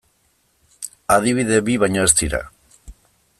Adibide bi baino ez dira.